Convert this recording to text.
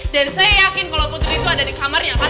dan saya yakin putri itu ada di kamarnya